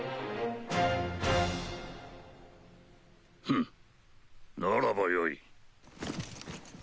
フッならばよい。